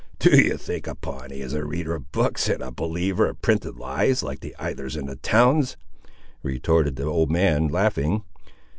"Do you think a Pawnee is a reader of books, and a believer of printed lies, like the idlers in the towns?" retorted the old man, laughing.